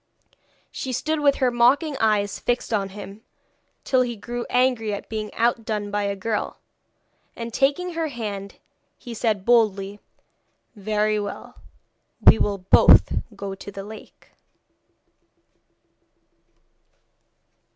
She stood with her mocking eyes fixed on him, till he grew angry at being outdone by a girl, and taking her hand he said boldly: 'Very well, we will both go to the lake.'